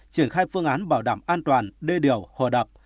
triển khai phương án bảo đảm an toàn đê điều hồ đập